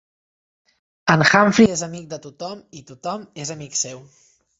En Humphrey és amic de tothom i tothom és amic seu.